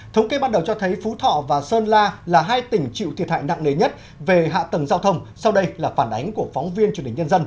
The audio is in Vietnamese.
thống kê ban đầu cho thấy phú thọ và sơn la là hai tỉnh chịu thiệt hại nặng nề nhất về hạ tầng giao thông